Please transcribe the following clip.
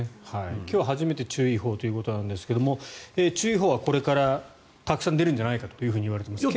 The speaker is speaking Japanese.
今日、初めて注意報ということなんですが注意報はこれからたくさん出るんじゃないかといわれています。